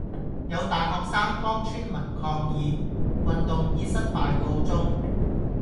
有大學生幫村民抗議。運動以失敗告終